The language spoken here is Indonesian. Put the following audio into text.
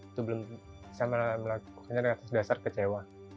itu belum bisa melakukannya dan atas dasar kecewa